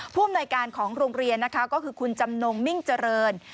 ผู้อำนวยการของโรงเรียนนะคะก็คือคุณจำนงมิ่งเจริญ